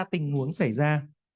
sẽ có ba tình huống xảy ra